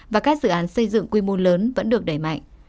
và các dự án xây dựng quy mô lớn vẫn được đẩy mạnh